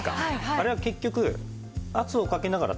あれは結局圧をかけながら炊いてる。